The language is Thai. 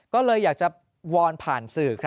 ก็เลยอยากจะวอนผ่านสื่อ